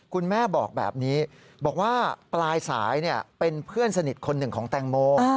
คุณแม่บอกแบบนี้บอกว่าปลายสายเป็นเพื่อนสนิทคนหนึ่งของแตงโม